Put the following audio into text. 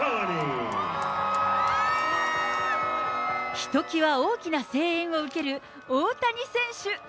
ひときわ大きな声援を受ける大谷選手。